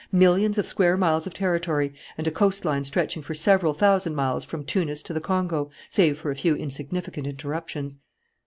Millions of square miles of territory and a coastline stretching for several thousand miles from Tunis to the Congo, save for a few insignificant interruptions."